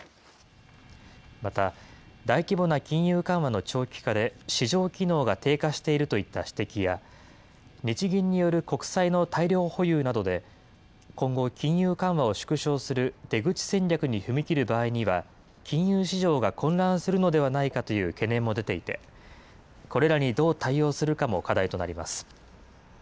また、大規模な金融緩和の長期化で、市場機能が低下しているといった指摘や、日銀による国債の大量保有などで、今後、金融緩和を縮小する出口戦略に踏み切る場合には金融市場が混乱するのではないかという懸念も出ていて、これらにどう対応するかも課題となります。